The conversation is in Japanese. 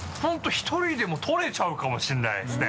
１人でも取れちゃうかもしれないですね。